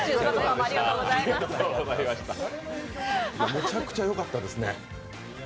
めちゃくちゃよかったですね。